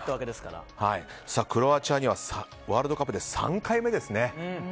クロアチアにはワールドカップで３回目ですね。